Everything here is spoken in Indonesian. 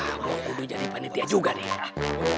ah mau kudu jadi panitia juga nih